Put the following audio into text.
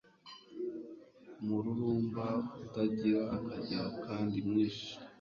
Umururumba utagira akagero kandi mwinshi